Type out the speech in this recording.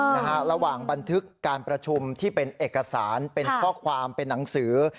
นะฮะระหว่างบันทึกการประชุมที่เป็นเอกสารเป็นข้อความเป็นหนังสือ